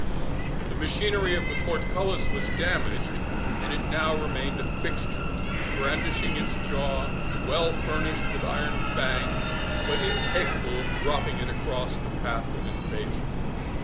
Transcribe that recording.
But the machinery of the portcullis was damaged, and it now remained a fixture, brandishing its jaw, well furnished with iron fangs, but incapable of dropping it across the path of invasion.